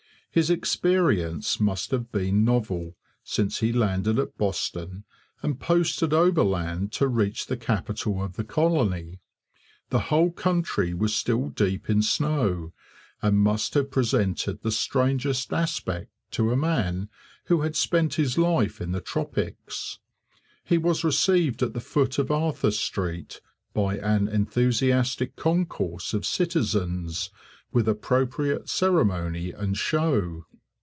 His experience must have been novel since he landed at Boston and posted overland to reach the capital of the colony. The whole country was still deep in snow and must have presented the strangest aspect to a man who had spent his life in the tropics. He was received at the foot of Arthur Street by an enthusiastic concourse of citizens, with appropriate ceremony and show.